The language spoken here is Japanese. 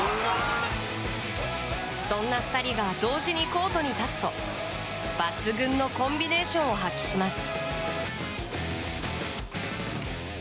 そんな２人が同時にコートに立つと抜群のコンビネーションを発揮します。